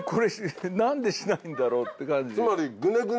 何でしないんだろう？って感じ。